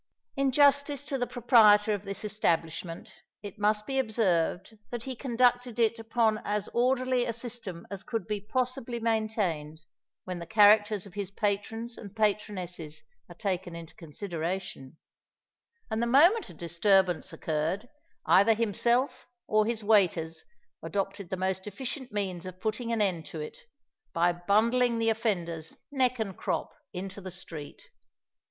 In justice to the proprietor of this establishment it must be observed that he conducted it upon as orderly a system as could be possibly maintained when the characters of his patrons and patronesses are taken into consideration; and the moment a disturbance occurred, either himself or his waiters adopted the most efficient means of putting an end to it, by bundling the offenders neck and crop into the street.